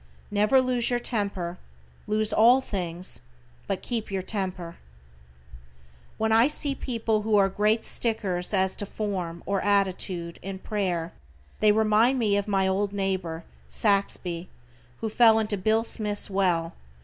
Never lose your temper, lose all things, but keep your temper. When I see people who are great stickers as to form, or attitude, in prayer, they remind me of my old neighbor, Saxby, who fell into Bill Smith's well.